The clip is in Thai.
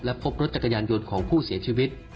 พบรถจักรยานยนต์ของผู้เสียชีวิต